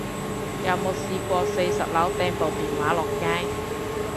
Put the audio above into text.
有冇試過四十樓掟部電話落街